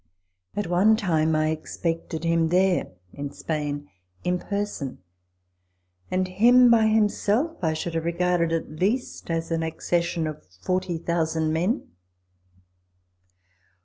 ] At one time I expected him there [in Spain] in person, and him by himself I should have regarded at least as an accession of 40,000 men.